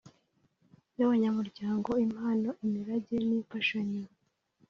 Y abanyamuryango impano imirage n imfashanyo